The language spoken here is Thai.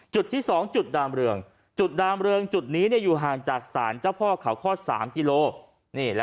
จุดที่๒จุดดามเรืองจุดดามเรืองจุดนี้อยู่ห่างจากศาลเจ้าพ่อเขาคลอด๓กิโล